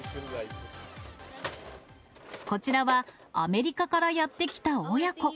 こちらは、アメリカからやって来た親子。